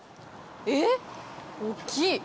えっ、大きい。